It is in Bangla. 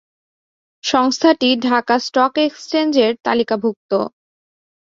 সংস্থাটি ঢাকা স্টক এক্সচেঞ্জের তালিকাভুক্ত।